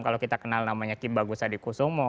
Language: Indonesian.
kalau kita kenal namanya kibagusa di kusumo